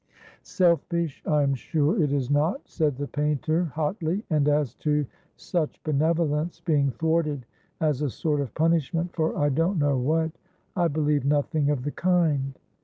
"Selfish I am sure it is not!" said the painter, hotly; "and as to such benevolence being thwarted as a sort of punishment for I don't know what, I believe nothing of the kind."